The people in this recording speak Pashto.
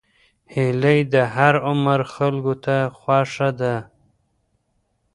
هیلۍ د هر عمر خلکو ته خوښه ده